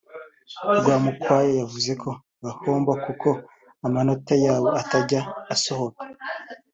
Rwamukwaya yavuze ko bahomba kuko amanota yabo atajya asohoka